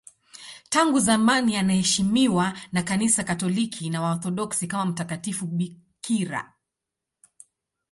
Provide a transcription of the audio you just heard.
Tangu zamani anaheshimiwa na Kanisa Katoliki na Waorthodoksi kama mtakatifu bikira.